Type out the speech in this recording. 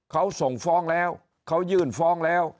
เขาส่งฟ้องแล้วเขายื่นฟ้องแล้ว